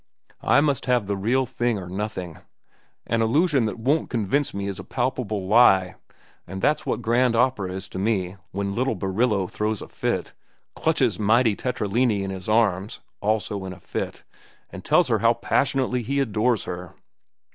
I must have the real or nothing. An illusion that won't convince is a palpable lie, and that's what grand opera is to me when little Barillo throws a fit, clutches mighty Tetralani in his arms (also in a fit), and tells her how passionately he adores her."